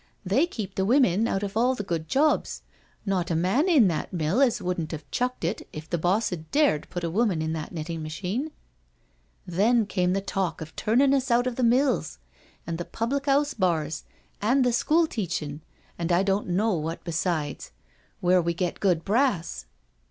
They keep the women out of all the good jobs. Not a man in that mill as wouldn't 'ave chucked it if the boss 'ad dared put a woman to that knittin' * machine. Then came the talk of turnin' us out of the mills, and the public 'ouse bars, an' the school teachin', an' I don't know what besides, where we get good brass.